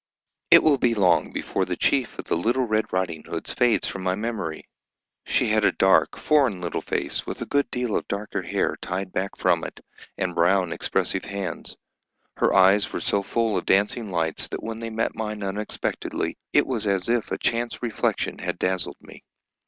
It will be long before the chief of the Little Red Riding Hoods fades from my memory. She had a dark, foreign little face, with a good deal of darker hair tied back from it, and brown, expressive hands. Her eyes were so full of dancing lights that when they met mine unexpectedly it was as if a chance reflection had dazzled me.